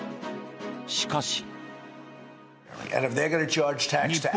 しかし。